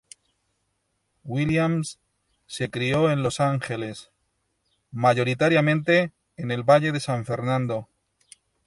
Williams se crió en Los Ángeles, mayoritariamente en el Valle de San Fernando.